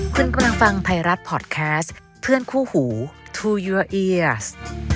คุณกำลังฟังไทยรัฐพอร์ตแคสต์เพื่อนคู่หูทูเยัวเอียส